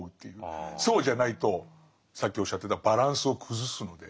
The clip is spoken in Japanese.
そうじゃないとさっきおっしゃってたバランスを崩すので。